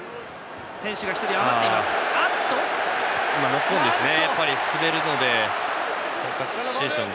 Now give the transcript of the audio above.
ノックオンですね。